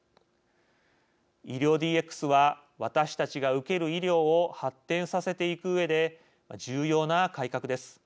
医療ＤＸは私たちが受ける医療を発展させていくうえで重要な改革です。